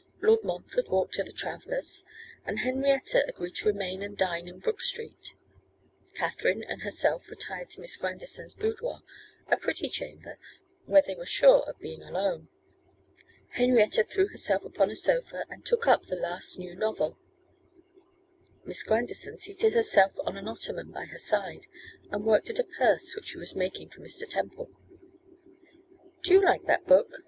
Lord Montfort walked to the Travellers, and Henrietta agreed to remain and dine in Brook street. Katherine and herself retired to Miss Grandison's boudoir, a pretty chamber, where they were sure of being alone. Henrietta threw herself upon a sofa, and took up the last new novel; Miss Grandison seated herself on an ottoman by her side, and worked at a purse which she was making for Mr. Temple. 'Do you like that book?